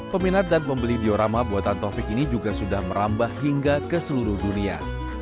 peminat dan pembeli diorama buatan taufik ini juga sudah merambah hingga ke seluruh dunia